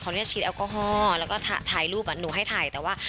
ขออนุญาตฉีดแอลกอฮอล์แล้วก็ถ่ายรูปหนูให้ถ่ายแต่ว่า